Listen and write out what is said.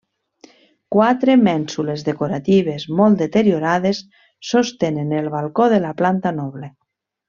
Quatre mènsules decoratives molt deteriorades sostenen el balcó de la planta noble.